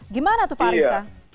gimana tuh pak arista